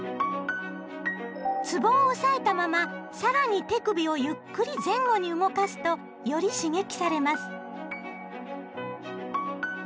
つぼを押さえたまま更に手首をゆっくり前後に動かすとより刺激されます。